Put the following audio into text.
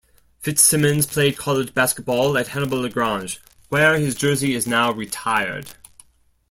Fitzsimmons played college basketball at Hannibal-LaGrange, where his jersey is now retired.